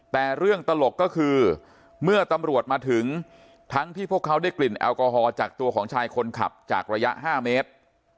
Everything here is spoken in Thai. แต่เรื่องตลกก็คือเมื่อตำรวจมาถึงทั้งที่พวกเขาได้กลิ่นแอลกอฮอล์จากตัวของชายคนขับจากระยะ๕เมตร